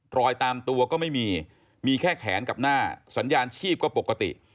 รอยตามตัวก็ไม่มีมีแค่แขนกับหน้าสัญญาณชีพก็ปกติ